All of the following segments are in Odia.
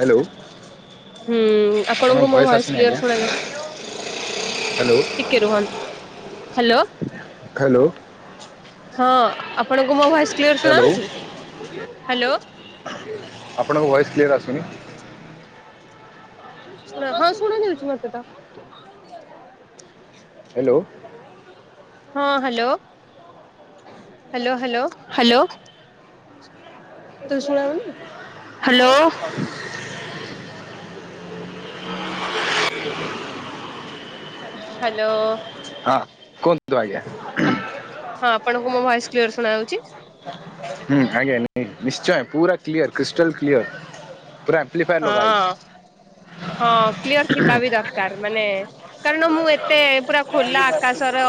ହାଲୋ। ହୁଁ ଆପଣଙ୍କୁ ମୋ ଭଏସ କ୍ଲିୟର ଆଜ୍ଞା ଶୁଣାଯାଉ। ହ୍ୟାଲୋ କେ ରୁହନ୍ତୁ ହାଲୋ। ହାଲୋ। ହଁ ଆପଣଙ୍କୁ ମୋ ଭଏସ କ୍ଲିୟର ହ୍ୟାଲୋ ଶୁଣାଉଛି ହାଲୋ। ଆପଣଙ୍କ ଭଏସ କ୍ଲିୟର ଆସୁନି। ଶୁଣ ହଁ ଶୁଣା ହଉଛି ମତେ ତ। ହ୍ୟାଲୋ। ହଁ ହାଲୋ। Hello hello hello. ତୁ ଶୁଣାଯାଉନି ହାଲୋ। ହାଲୋ। ହଁ କୁହନ୍ତୁ ଆଜ୍ଞା। ହଁ ଆପଣଙ୍କୁ ମୋ ଭଏସ କ୍ଲିୟର ଶୁଣା ଯାଉଛି। ହୁଁ ଆଜ୍ଞା ନିଶ୍ଚୟ ପୁରା କ୍ଲିୟର କ୍ରିଷ୍ଟାଲ କ୍ଲିୟର। ପୁରା ଫ୍ଲିଫାୟର ହଁ ଲଗାହେଇଛି। ହଁ କ୍ଲିୟର ଥିବା ବି ଦରକାର ମାନେ କାରଣ ମୁଁ ଏତେ ପୁରା ଖୋଲା ଆକାଶର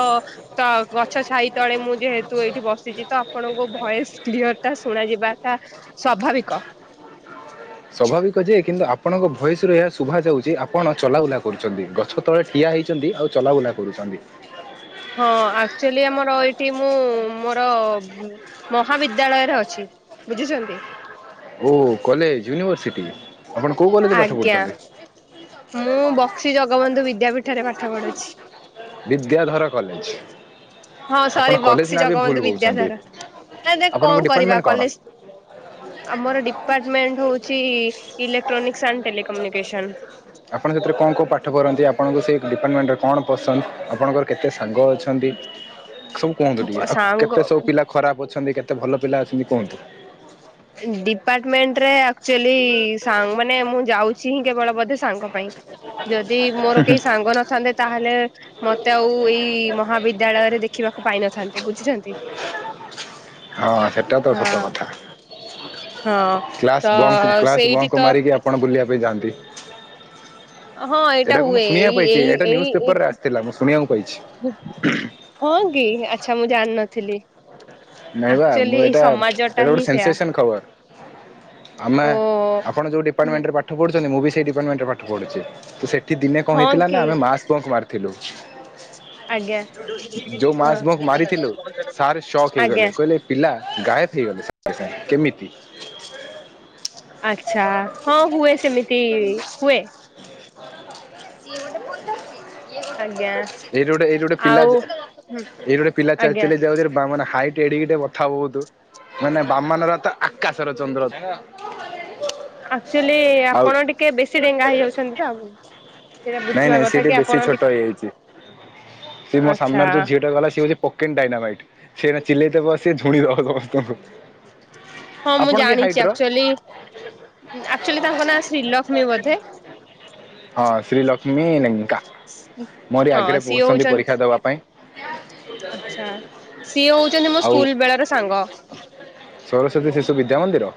ତ ଗଛ ଛାଇ ତଳେ ମୁଁ ଯେହେତୁ ଏଇଠି ବସିଛି ତ ଆପଣଙ୍କୁ ଭଏସ କ୍ଲିୟର ଟା ଶୁଣ ଯିବାଟା ସ୍ୱାଭାବିକ। ସ୍ୱାଭାବିକ ଯେ କିନ୍ତୁ ଆପଣଙ୍କ ଭୟସ ରୁ ଏହା ଶୁଭା ଯାଉଛି ଆପଣ ଚଲାବୁଲା କରୁଛନ୍ତି। ଗଛ ତଳେ ଠିଆ ହେଇଛନ୍ତି ଆଉ ଚଲାବୁଲା କରୁଛନ୍ତି। ହଁ ଆକ୍ଚୁଆଲି ଆମର ଏଇଠି ମୁଁ ମୋର ମହାବିଦ୍ୟାଳୟରେ ଅଛି। ବୁଝୁଛନ୍ତି। ଓ କଲେଜ ୟୁନିଭର୍ସିଟି। ଆପଣ କଉ କଲେ ଆଜ୍ଞା ମୁଁ ବକ୍ସି ଜଗବନ୍ଧୁ ବିଦ୍ୟାପୀଠରେ ପାଠ ପଢୁଛି। ବିଦ୍ୟାଧର କଲେଜ। ହଁ ଆପଣ ସରି କଲେଜ ବକ୍ସି ନାଁ ବି ଭୁଲ ଜଗବନ୍ଧୁ କହୁଛନ୍ତି ବିଦ୍ୟାସାର ଆରେ ଆପଣଙ୍କ କଣ କରିବା ଡିପାର୍ଟମେଣ୍ଟ କଣ? କଲେଜ ଆମର ଡିପାର୍ଟମେଣ୍ଟ ହଉଛି ଇଲେକ୍ଟ୍ରୋନିକ୍ସ ଆଣ୍ଡ ଟେଲିକମୁନିକେସନ। ଆପଣ ସେଥିରେ କଣ କଉଁ ପାଠ କରନ୍ତି ଆପଣଙ୍କୁ ସେଇ ଡିପାର୍ଟମେଣ୍ଟରେ କଣ ପସନ୍ଦ ଆପଣଙ୍କର କେତେ ସାଙ୍ଗ ଅଛ ନ୍ତି ସବୁ କୁହନ୍ତୁ ଟିକେ? ଆଉ ସାଙ୍ଗ କେତେ ସବୁ ପିଲା ଖରାପ ଅଛନ୍ତି କେତେ ଭଲ ପିଲା ଅଛନ୍ତି କୁହନ୍ତୁ? ଡିପାର୍ଟମେଣ୍ଟରେ ଆକ୍ଚୁ ଆଲି ସାନ୍ ମାନେ ମୁଁ ଯାଉଛି ହିଁ କେବଳ ବୋଧେ ସାଙ୍ଗ ପାଇଁ। ଯଦି ମୋର କେହି ସାଙ୍ଗ ନଥାନ୍ତେ ତାହେଲେ ମତେ ଆଉ ଏଇ ମହାବିଦ୍ୟାଳୟରେ ଦେଖିବାକୁ ପାଇନଥାନ୍ତେ ବୁଝିଛନ୍ତି। [inaudible] ହଁ ସେଟା ତ ସତ ହଁ କଥା। ହଁ। ତ କ୍ଲାସ ବଙ୍କ କ୍ଲାସ ସେଇଠି ବଙ୍କ ତ ମାରିକି ଆପଣ ବୁଲିବା ପାଇଁ ଯାଆନ୍ତି। ହଁ ଏଇଟା ଏଟାକୁ ମୁଁ ହୁଏ ଶୁଣିବାକୁ ଏଇ ପାଇଛି ଏଇଟା ନ୍ୟୁଜ ଏଇ ଏଇ ପେପରରେ ଆସିଥିଲା ମୁଁ ଶୁଣିବାକୁ ପାଇଛି। ଏଇ ହଁ କି ଆଚ୍ଛା ମୁଁ ଜାଣିନଥିଲି। ନାଇଁବା ଆକ୍ଚୁଆଲି ମୁଁ ଏଇ ଏଇଟା ସମାଜ ଟା ଏଟା ହିଁ ଗୋଟେ ସେୟା ସେନସେସନ ଖବର। ଆମେ ଓ ଆପଣ ଯୋଉ ଡିପାର୍ଟମେଣ୍ଟରେ ପାଠ ଟ ପଢୁଛନ୍ତି ମୁଁ ବି ସେଇ ଡିପାର୍ଟମେଣ୍ଟରେ ପାଠ ପଢୁଛି। ତ ସେଠି ଦିନେ କଣ ହଁ ହେଇଥିଲା ନା କି ଆମେ ମା ପଙ୍କ ମାରିଥିଲୁ। ଆଜ୍ଞା ଯୋଉ ହଁ ମାସ ବଙ୍କ ମାରିଥିଲୁ ସାର ସକ ଆଜ୍ଞା। ହେଇଗଲେ କହିଲେ ପିଲା ଗାୟବ ହେଇଗଲେ ସାଙ୍ଗେ କେମିତି? ଆଚ୍ଛା ହଁ ହୁଏ ସେମିତି ହୁଏ। [inaudible] ଏଇଠି ଆଜ୍ଞା ଗୋଟେ ଏଇଠି ଗୋଟେ ପିଲା ଆଉ ହୁଁ ଏଇଠିି ଗୋଟେ ପିଲା ଚାଲି ଆଜ୍ଞା ଚାଲି ଯାଉଛିରେ ବାମ ହାଇଟ ଏଡଗିଟେ କଥା ବହୁତ। ମାନେ ବାମାନର ତ ଆକାଶର ଚନ୍ଦ୍ର। ଆକଚୁଆଲି ଆଉ ଆପଣ ଟିକେ ବେଶୀ ଡେଙ୍ଗା ହେଇଯାଉଛନ୍ତି ତ। ସେଇଟା ନାଇଁ ବୁଝିବା ନାଇଁ ସେ କଥା ଟିକେ କି ବେଶୀ ଆପଣ ଛୋଟ ଟିକେ ହେଇଯାଇଛି ଆଚ୍ଛା। [unintelligible] ଓକେନ ଡାଇନାମାଇଟ ସିଏ ଏଇନା ଚିଲେଇ ଦେବ ସିଏ ଝୁଣି ଦବ ସମସ୍ତଙ୍କୁ। ହଁ ମୁଁ ଆପଣ କି ହାଇଟ୍ ଜାଣିଛି ର ଆକଚୁଆଲି ଆକଚୁଆଲି ତାଙ୍କ ନାଁ ଶ୍ରୀଲକ୍ଷ୍ମୀ ବୋଧେ। ହଁ ଶ୍ରୀଲକ୍ଷ୍ମୀ ଲେଙ୍କା ମୋରି ହଁ ଆଗରେ ସିଏ ବସୁଛନ୍ତି ହଉଛନ୍ତି ପରୀକ୍ଷା ଦବା ପାଇଁ। ଆଚ୍ଛା ସିଏ ହଉଛନ୍ତି ମୋ ଆଉ ସ୍କୁଲ ବେଳର ସାଙ୍ଗ। ସରସ୍ଵତୀ ଶିଶୁ ବିଦ୍ୟା ମନ୍ଦିର।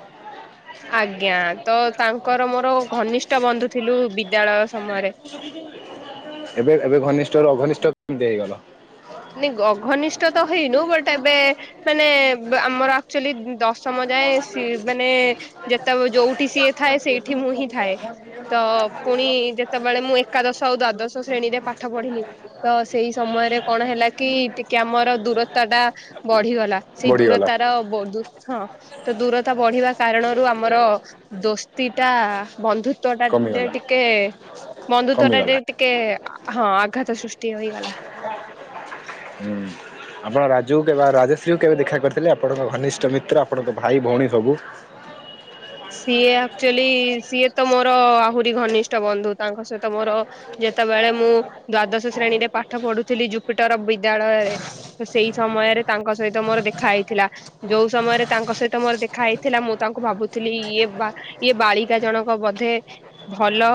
ଆଜ୍ଞା ତ ତାଙ୍କର ମୋର ଘନିଷ୍ଠ ବନ୍ଧୁ ଥିଲୁ ବିଦ୍ୟାଳୟ ସମୟରେ। ଏବେ ଏବେ ଘନିଷ୍ଠରୁ ଅଘନିଷ୍ଠ କେମିତି ହେଇଗଲ? ମାନେ ଅଘନିଷ୍ଠ ତ ହେଇନୁ ବଟ ଏବେ ମାନେ ଆମର ଆକଚୁଆଲି ଦଶ ସମ ଯାଏ ସି ମାନେ ଯେତେବେଳେ ଯୋଉଠି ସିଏ ଥାଏ ସେଇଠି ମୁଁ ହିଁ ଥାଏ। ତ ପୁଣି ଯେତେବେଳେ ମୁଁ ଏକାଦଶ ଆଉ ଦ୍ୱାଦଶ ଶ୍ରେଣୀରେ ପାଠ ପଢିଲି ତ ସେଇ ସମୟରେ କ ଣ ହେଲା କି ଟିକେ ଆମର ଦୂରତାଟା ବଢିଗଲା ସେଇ ବଢିଗଲା ଦୂରତାର ବଦୁ ହଁ ତ ଦୂରତା ବଢିବା କାରଣରୁ ଆମର ଦୋସ୍ତିଟା ବନ୍ଧୁତ୍ଵଟା କମିଗଲା ଟିକେ ବନ୍ଧୁତ୍ଵଟା କମିଗଲା। ଟି କେ ହଁ ଆଘାତ ସୃଷ୍ଟି ହୋଇଗଲା। ହୁଁ ଆପଣ ରାଜକୁ କେ ବା ରାଜଶ୍ରୀଙ୍କୁ କେବେ ଦେଖା କରି ଆପଣଙ୍କ ଘନିଷ୍ଠ ମିତ୍ର ଆପଣଙ୍କ ଭାଇ ଭଉଣୀ ସବୁ। ସିଏ ଆକଚୁଆଲି ସିଏ ତ ମୋର ଆହୁରି ଘନିଷ୍ଠ ବନ୍ଧୁ ତାଙ୍କ ସହିତ ମୋର ଯେତେବେଳେ ମୁଁ ଦ୍ଵାଦଶ ଶ୍ରେଣୀରେ ପାଠ ପଢ଼ୁଥିଲି ଜୁପିଟର ବିଦ୍ୟାଳୟରେ ତ ସେଇ ସମୟରେ ତାଙ୍କ ସହିତ ମୋର ଦେଖା ହେଇଥିଲା। ଯୋଉ ସମୟରେ ତାଙ୍କ ସହିତ ମୋର ଦେଖା ହେଇଥିଲା ମୁଁ ତାଙ୍କୁ ଭାବୁ ଥିଲି ଇଏ ବା ଇଏ ବାଳିକା ଜଣକ ବୋଧେ ଭଲ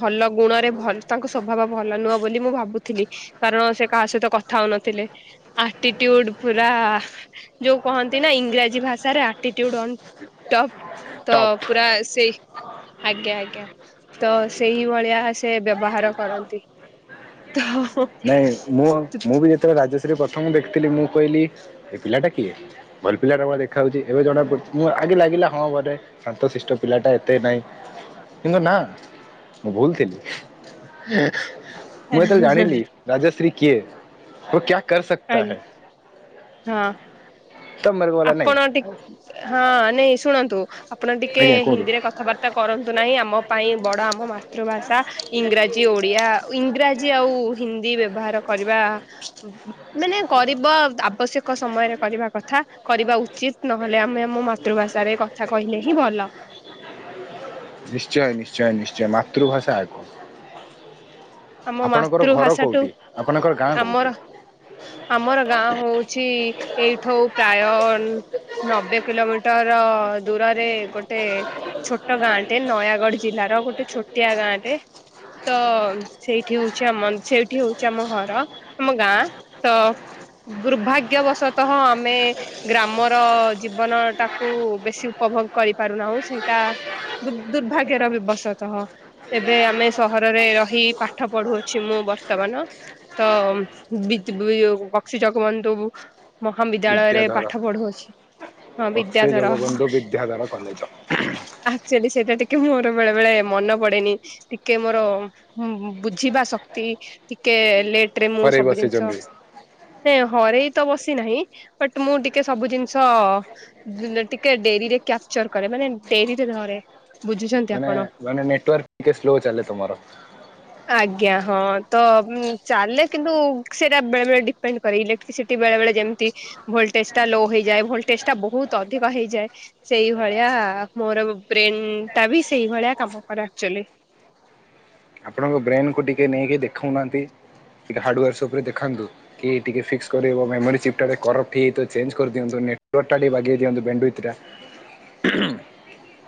ଭଲ ଗୁଣରେ ଭ ତାଙ୍କ ସ୍ୱଭାବ ଭଲ ନୁହଁ ବୋଲି ମୁଁ ଭାବୁଥିଲି। କାରଣ ସେ କାହା ସହିତ କଥା ହଉନଥିଲେ ଆଟିଟିଉଡ ପୁରା ଯୋଉ କହନ୍ତି ନା ଇଂରାଜୀ ଭାଷାରେ ଆଟିଟିଉଡ ଅନ ଟପ। ତ ଟପ୍। ପୁରା ସେଇ ଆଜ୍ଞା ଆଜ୍ଞା ତ ସେଇ ଭଳିଆ ସେ ବ୍ୟବହାର କରନ୍ତି। [unintelligible] ନାଇଁ ମୁଁ ମୁଁ ବି ଯେତେବେଳେ ରାଜଶ୍ରୀକୁ ପ୍ରଥମ ଦେଖିଥିଲି, ମୁଁ କହିଲି ଏ ପିଲାଟା କିଏ? ଭଲ ପିଲାଟା ଭଳିଆ ଦେଖାଯାଉଛି। ଏବେ ଜଣା ପଡି ମୁଁ ଆଗେ ଲାଗିଲା ହଁ ବୋଧେ ଶାନ୍ତଶିଷ୍ଟ ପିଲାଟା ଏତେ ନାଇଁ କିନ୍ତୁ ନା ମୁଁ ଭୁଲଥିଲି। ମୁଁ ଯେତେବେଳେ ଜାଣିଲି ରାଜଶ୍ରୀ କିଏ କ୍ୟା କର ସକତା ଆଜ୍ଞା ହେ। ହଁ ଆପଣ ଟିକେ ହଁ ନାଇ ଶୁଣନ୍ତୁ ଆପଣ ଟିକେ ଆଜ୍ଞା କୁହନ୍ତୁ ହିନ୍ଦୀରେ କଥାବା ର୍ତ୍ତା କରନ୍ତୁ ନାହିଁ ଆମ ପାଇଁ ବଡ଼ ଆମ ମାତୃଭାଷା। ଇଂରାଜୀ ଓଡିଆ ଇଂରାଜୀ ଆଉ ହିନ୍ଦୀ ବ୍ୟବହାର କରିବା ମାନେ କରିବ ଆବଶ୍ୟକ ସମୟରେ କରିବା କଥା। କରିବା ଉଚିତ ନହେଲେ ଆମେ ଆମ ମାତୃଭାଷାରେ କଥା କହିଲେ ହିଁ ଭଲ। ନିଶ୍ଚୟ ନିଶ୍ଚୟ ନିଶ୍ଚୟ ମାତୃଭାଷା ଆଗ। ଆମ ଆପଣଙ୍କର ଘର ମାତୃଭାଷାଠୁ କୋଉଠି? ଆପଣଙ୍କର ଗାଁ କୋଉଠି? ଆମର ଆମର ଗାଁ ହଉଛି ଏଇଠୁ ପ୍ରାୟ ନବେ କିଲୋମିଟର ଦୂରରେ ଗୋଟେ ଛୋଟ ଗାଁଟେ ନୟାଗଡ ଜିଲ୍ଲାର ଗୋଟେ ଛୋଟିଆ ଗାଁଟେ ତ ସେଇଠି ହଉଛି ଆମ ସେଇଠି ହଉଛି ଆମ ଘର ଆମ ଗାଁ ତ ଦୁର୍ଭାଗ୍ୟବଶତଃ ଆମେ ଗ୍ରାମର ଜୀବନ ଟାକୁ ବେଶୀ ଉପଭୋଗ କରିପାରୁନାହୁଁ ସେଇଟା ଦୁ ଦୁର୍ଭାଗ୍ୟର ଦିବଶତଃ ଏବେ ଆମେ ସହରରେ ରହି ପା ଠ ପଢୁଅଛି ମୁଁ ବର୍ତ୍ତମାନ। ତ ବିତ୍ ବକ୍ସି ଯଗବନ୍ଧୁ ମହାବିଦ୍ୟାଳୟରେ ପାଠ ପଢୁଅଛି। ହଁ ବକ୍ସି ବିଦ୍ୟାଧର ଜଗବନ୍ଧୁ ବିଦ୍ୟାଧର କଲେଜ। ଆକ୍ଚୁଆଲି ସେଇଟା ଟିକେ ମୋର ବେଳେ ବେଳେ ମନେ ପଡେନି ଟିକେ ମୋର। ବୁଝିବା ଶକ୍ତି ଟିକେ ଲେଟ ରେ ମୁଁ ହରେଇ ସବୁ ଜିନିଷ ବସିଛନ୍ତି ଟିକେ ହରେଇ ତ ବସି ନାହିଁ ବଟ ମୁଁ ଟିକେ ସବୁ ଜିନିଷ ଟିକେ ଡେରିରେ କ୍ୟାପଚର କରେ ମାନେ ଡେରିରେ ଧରେ। ବୁଝୁଛନ୍ତି ମାନେ ଆପଣ? ମାନେ ନେଟୱର୍କ ଟିକେ ସ୍ଲୋ ଚାଲେ ତମର? ଆଜ୍ଞା ହଁ ତ ଉ ଚାଲେ କିନ୍ତୁ ସେଟା ବେଳେ ବେଳେ ଡିପେଣ୍ଡ ଇଲେକ୍ଟ୍ରିସିଟି ବେଳେ ବେଳେ ଯେମିତି ଭୋଲଟେଜ ଟା ଲୋ ହେଇଯାଏ ଭୋଲଟେଜ ଟା ବହୁତ ଅଧିକ ହେଇଯାଏ। ସେଇଭଳିଆ ମୋର ବ୍ରେନ ଟା ବି ସେଇଭଳିଆ କାମ କରେ ଆକ୍ଚୁଆଲୀ। ଆପଣଙ୍କ ବ୍ରେନ୍ କୁ ଟିକେ ନେଇକି ଦେଖାଉନାହାନ୍ତି ଟିକେ ହାର୍ଡ଼ୱୋର୍ ସପ୍ ରେ ଦେଖାନ୍ତୁ। କି ଟିକେ ଫିକ୍ସ କରିହବ ମେମୋରୀ ଚିପ୍ ଟା ଟିକେ କରପ୍ଟ ହେଇଯାଇଥିବ ଚେଞ୍ଜ କରିଦିଅନ୍ତୁ ନେଟୱର୍କ ଟା ଟିକେ ବାଗେଇ ଦିଅନ୍ତୁ। [unintelligible]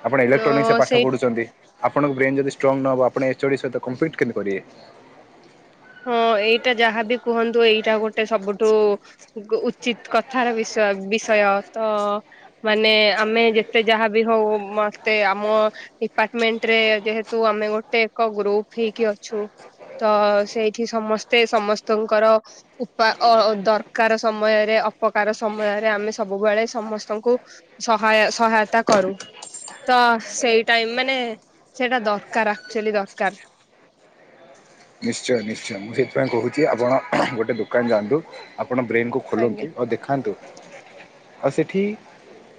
ଆପଣ ଇଲେକ୍ଟ୍ରନିକ୍ସରେ ଅ ପାଠ ସେଇ ପଢ଼ଛନ୍ତି ଆପଣଙ୍କ ବେନ୍ ଯଦି ଷ୍ଟ୍ରଙ୍ଗ ନ ହେବ ଆପଣ ଏଚ ଓ ଡ଼ି ସହିତ। କମ୍ପିଟ କେମିତି କରିିବେ? ହଁ ଏଇଟା ଯାହାବି କୁହନ୍ତୁ ଏଇଟା ଗୋଟେ ସବୁଠୁ ଉଚିତ୍ କଥାର ବିଷୟ ବିଷୟ ତ। ମାନେ ଆମେ ଯେତେ ଯାହାଭି ହଉ ମତେ ଆମ ଡିପାର୍ଟମେଣ୍ଟ ରେ ଯେହେତୁ ଆମେ ଗୋଟେ ଏକ ଗ୍ରୁପ ହେଇକି ଅଛୁ ତ ସେଇ ଟି ସମସ୍ତେ ସମସ୍ତଙ୍କର ଉପା ଦରକାର ସମୟରେ ଅପକାର ସମୟରେ ଆମେ ସବୁବେଳେ ସମସ୍ତଙ୍କୁ ସହାୟ ସହାୟତା କରୁ। ତ ସେଇ ଟାଇମ୍ ମାନେ ସେଇଟା ଦରକାର ଆକ୍ଚୁଆଲି ଦରକାର। ନିଶ୍ଚୟ ନିଶ୍ଚୟ ମୁଁ ସେଇଥିପାଇଁ କହୁଛି ଆପଣ ଗୋଟେ ଦୋକାନ ଯାଆନ୍ତୁ। ଆପଣ ବ୍ରେନ୍ କୁ ଆଜ୍ଞା ଖୋଲନ୍ତୁ ଆଉ ଦେଖାନ୍ତୁ ଆଉ ସେଠି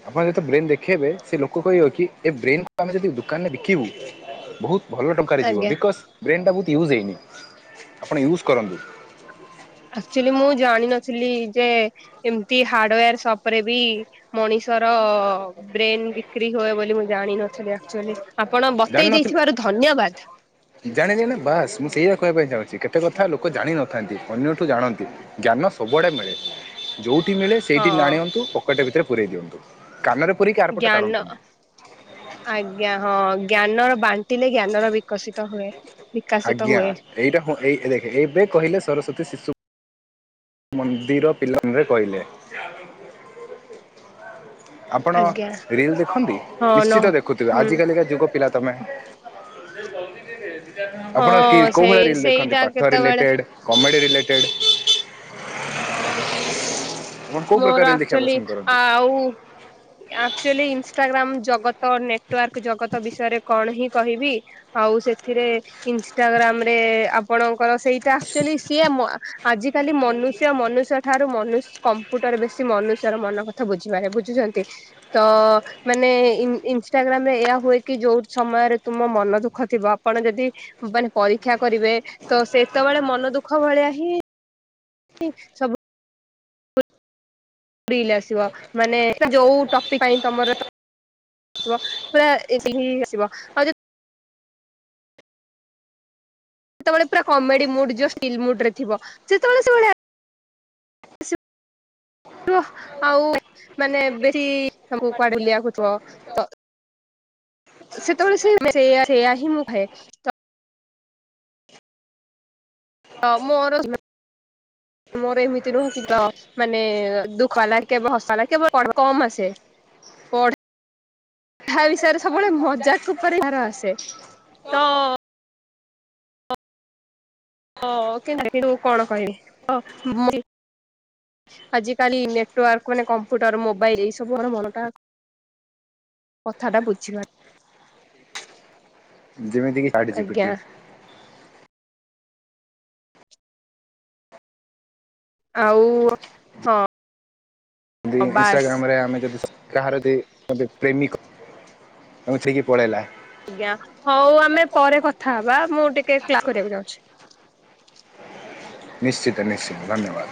ଆପଣ ଯେତେ ବ୍ରେନ୍ ଦେଖେଇବେ ସେ ଲୋକ କହିବ କି ଏ ବ୍ରେନ୍ କୁ ଆମେ ଯଦି ଦୋକାନରେ ବିକିବୁ ବହୁତ୍ ଭଲ ଟଙ୍କାରେ ଯିବ ଆଜ୍ଞା। ବିକଜ ବ୍ରେନ୍ ଟା ବହୁତ ୟୁଜ୍ ହେଇନି ଆପଣ ୟୁଜ୍ କରନ୍ତୁ। ଆକ୍ଚୁଆଲି ମୁଁ ଜାଣିନଥିଲି ଯେ ଏମିତି ହାର୍ଡୱେର ସପ୍ ରେ ବି ମଣିଷର ବ୍ରେନ୍ ବିକ୍ରି ହୁଏ ବୋଲି ମୁଁ ଜାଣିନଥିଲି ଆକଚ୍ୟୁଲି। ଆପଣ ବତେଇ ଜାଣିନଥିଲେ ଦେଇଥିବାରୁ ଧନ୍ୟବାଦ୍। ଜାଣିଲେ ନା ବାସ୍ ମୁଁ ସେଇଆ କହିବା ପାଇଁ ଚାହୁଁଛି କେତେ କଥା ଲୋକ ଜାଣିନଥାନ୍ତି ଅନ୍ୟଠୁ ଜାଣନ୍ତି। ଜ୍ଞାନ ସବୁଆଡ଼େ ମିଳେ ଯୋଉଠି ମିଳେ ହଁ ସେଇଠି [unintelligible] ପକେଟ୍ ଭିତରେ ପୂରେଇ ଦିଅନ୍ତୁ। କାନରେ ପୁରେଇକି ଜ୍ଞାନ ଆଜ୍ଞା ହଁ ଜ୍ଞାନର ବା ବାଣ୍ଟିଲେ ଜ୍ଞାନର ବିକଶିତ ହୁଏ। ବିକାଶିତ ଆଜ୍ଞା ହୁଏ ଏଇଟା ହଁ ଏଇ ଦେଖେ ଏବେ କହିଲେ ସରସ୍ଵତୀ ଶିଶୁ ମନ୍ଦିର ପିଲାମାନେ କହିଲେ। ଆପଣ ଆଜ୍ଞା ରିଲ୍ ଦେଖନ୍ତି‌ ହଁ ନ ନିଶ୍ଚିତ ଦେଖୁଥିବେ ହୁଁ ଆଜି କାଲିକା ଯୁଗ ପିଲା ତମେ। ଆପଣ ହଁ କୋଉ ସେଇ ଭଳିଆ ରିଲ ଦେଖନ୍ତି ସେଇଟା ପାଠ କେତେବେଳେ ରିଲେଟେଡ୍, କମେଡି଼ ରିଲେ ଟେଡ୍। ଆପଣ କୋଉ ପ୍ରକାର ମୋର ରିଲ୍ ଦେଖିବା ଆକ୍ଚୁଆଲି ପସନ୍ଦ କରନ୍ତି? ଆଉ ଆକ୍ଚୁଆଲି ଇନଷ୍ଟାଗ୍ରାମ୍ ଜଗତ ନେଟୱାର୍କ ଜଗତ ବିଷୟରେ କଣ ହିଁ କହିବି। ଆଉ ସେଥିରେ ଇନଷ୍ଟାଗ୍ରାମ୍ ରେ ଆପଣଙ୍କର ସେଇଟା ଆକ୍ଚୁଆଲି ସିଏ ଆଜି କାଲି ମନୁଷ୍ୟ ମନୁଷ୍ୟ ଠାରୁ ମନୁ କମ୍ପ୍ୟୁଟର ବେଶୀ ମନୁଷ୍ୟର ମନ କଥା ବୁଝିପାରେ ବୁଝୁଛନ୍ତି ତ ମାନେ ଇନ୍ ଇନଷ୍ଟାଗ୍ରାମ୍ ରେ ଏହା ହୁଏ କି ଯୋଉ ସମୟରେ ତୁମ ମନ ଦୁଃଖ ଥିବ ଆପଣ ଯଦି ମାନେ ପରୀକ୍ଷା କରିବେ ତ ସେତେବେଳେ ମନ ଦୁଃଖ ଭଳିଆ ହିଁ ହିଁ ସବୁ ରିଲ୍ ଆସିବ ମାନେ ଯୋଉ ଟପିକ୍ ପାଇଁ ତମର ପୁରା [unintelligible] ହିଁ ଆସିବ ଆଉ ଯଦି ସେତେବେଳେ ପୁରା କମେଡି଼ ମୁଡ଼୍ ଜଷ୍ଟ୍ [unintelligible] ଥିବ ସେତେବେଳେ ସେ ଭଲିଆ [unintelligible] ଆଉ ମାନେ ବେସି ତମକୁ କୁଆଡ଼େ ବୁଲିଆକୁୁ ଥିବ ତ ସେତେବେଳେ ସେ ସେଇଆ ସେଇଆ ହିଁ ମୁଁ ଖାଏ ତ ହଁ ମୋର ମୋର ଏମିତି [unintelligible] ମାନେ ଦୁଃଖ୍ [unintelligible] କେବ ହସ୍ [unintelligible] କେବ କମ୍ ଆସେ ପଢ୍ ଉପରେ ଭାର ଆସେ ତ [unintelligible] ଓ କିନ୍ତୁ [unintelligible] ଆଜି କାଲି ନେଟୱାର୍କ ମାନେ କମ୍ପ୍ୟୁଟର ମୋବାଇଲ୍ ଏଇ ସବୁ ଆମର ମନ ଟା କଥା ଟା ବୁଝିବାର ଯେମିତି କି ଚାଟ୍ ଜିପିଟି। ଆଉ ହଁ। ଯେମିତି ଇନଷ୍ଟାଗ୍ରାମ୍ ରେ ଆମେ ଯଦି କାହାର [unintelligible] ପ୍ରେମିକ ତାଙ୍କୁ ଛାଡ଼ିକି ପଳେଇଲା। ଆଜ୍ଞା ହଉ ଆମେ ପରେ କଥା ହବା ମୁଁ ଟିକେ କ୍ଲାସ୍ କରିବାକୁ ଯାଉଛି। ନିଶ୍ଚିତ ନିଶ୍ଚିତ ଧନ୍ୟବାଦ୍।